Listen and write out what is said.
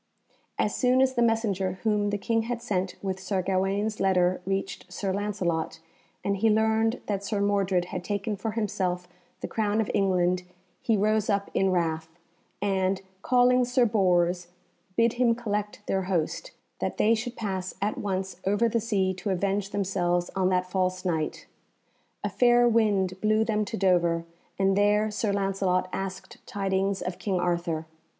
As soon as the messenger whom the King had sent with Sir Gawaine's letter reached Sir Lancelot, and he learned that Sir Mordred had taken for himself the crown of England, he rose up in wrath, and, calling Sir Bors, bid him collect their host, that they should pass at once over the sea to avenge themselves on that false Knight. A fair wind blew them to Dover, and there Sir Lancelot asked tidings of King Arthur.